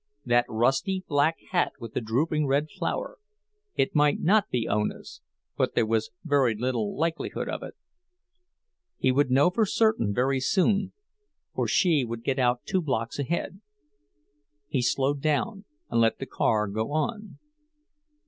That rusty black hat with the drooping red flower, it might not be Ona's, but there was very little likelihood of it. He would know for certain very soon, for she would get out two blocks ahead. He slowed down, and let the car go on.